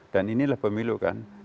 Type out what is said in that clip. dan inilah pemilu kan